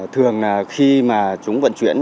thường là khi mà chúng vận chuyển